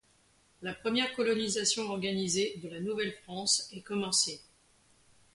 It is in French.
La première colonisation organisée de la Nouvelle-France est commencée.